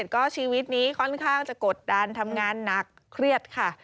ก็ชีวิตนี้ค่อนข้างจะกดดันทำงานหนักเครียดค่ะ